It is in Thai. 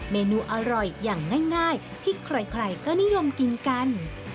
เมนูอร่อยอย่างง่ายที่ใครก็นิยมกินกัน